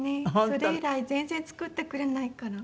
それ以来全然作ってくれないから。